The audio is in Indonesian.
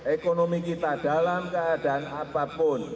ekonomi kita dalam keadaan apapun